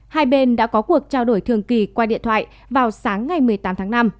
hai bên đã có cuộc trao đổi thường kỳ qua điện thoại vào sáng ngày một mươi tám tháng năm